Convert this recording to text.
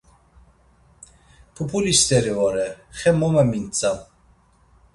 Pupuli st̆eri vore, xe mo memintzam.